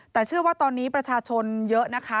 แต่เชื่อว่าตอนนี้ประชาชนเยอะนะคะ